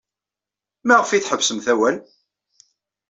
Maɣef ay tḥebsemt awal?